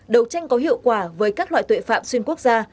đấu tranh có hiệu quả với các loại tội phạm xuyên quốc gia